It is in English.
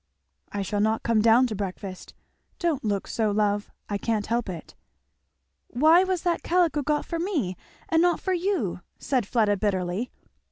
"I shall not come down to breakfast. Don't look so, love! I can't help it." "Why was that calico got for me and not for you?" said Fleda, bitterly.